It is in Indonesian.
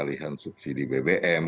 pembalihan subsidi bbm